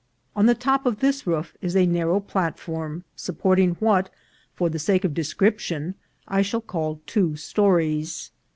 On the top of this roof is a narrow platform, supporting what, for the sake of description, I shall call two stories.